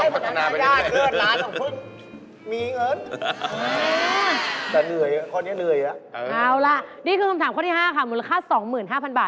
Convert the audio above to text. พูดอะไรอย่างนั้นน่ะร้านก็ต้องปรักษณาไปได้